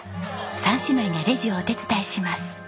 三姉妹がレジをお手伝いします。